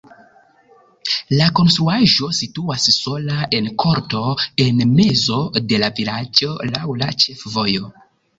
La konstruaĵo situas sola en korto en mezo de la vilaĝo laŭ la ĉefvojo.